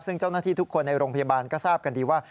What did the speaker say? ซึ่งเจ้าหน้าที่ทุกคนในโรงพยาบาลก็ทราบกันดีว่า